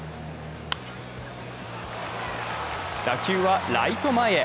打球はライト前へ。